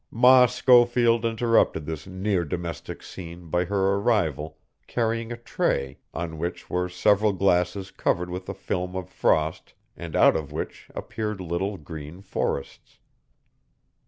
Ma Schofield interrupted this near domestic scene by her arrival, carrying a tray, on which were several glasses covered with a film of frost and out of which appeared little green forests.